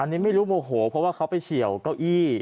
อันนี้ไม่รู้โมโหเพราะว่าเขาไปเฉียวเก้าอี้